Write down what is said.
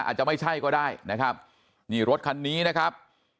อาจจะไม่ใช่ก็ได้นะครับนี่รถคันนี้นะครับ